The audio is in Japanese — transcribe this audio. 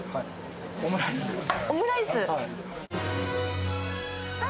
オムライスです。